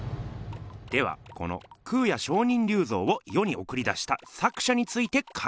ではこの空也上人立像をよにおくり出した作者について考えてみましょう。